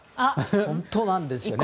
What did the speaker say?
本当なんですよね。